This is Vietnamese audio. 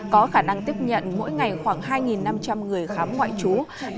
có khả năng tiếp nhận mỗi ngày khoảng hai năm trăm linh người khám ngoại trú